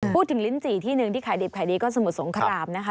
ลิ้นจี่ที่หนึ่งที่ขายดิบขายดีก็สมุทรสงครามนะคะ